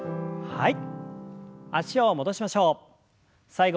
はい。